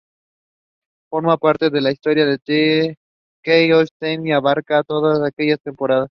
Forma parte de la historia "The Key to Time" que abarcaba toda aquella temporada.